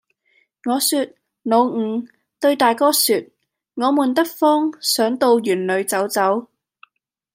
我説「老五，對大哥説，我悶得慌，想到園裏走走。」